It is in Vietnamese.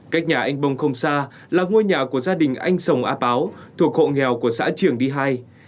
cách nhà anh bông không xa là ngôi nhà của gia đình anh sồng a báo thuộc hộ nghèo của xã triển đi hai